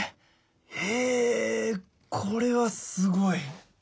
へえこれはすごい！